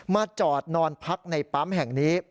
มาจอดนอนพักในปั๊มแห่งนี้